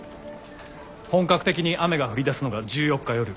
本格的に雨が降りだすのが１４日夜。